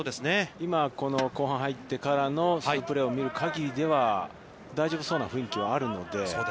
今、後半に入ってからのプレーを見る限りでは大丈夫そうな雰囲気はあるので。